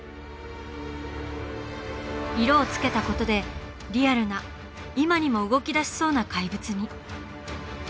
色をつけたことでリアルな今にも動きだしそうな怪物に。